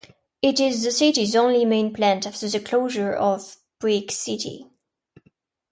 It is the city's only main plant after the closure of Buick City.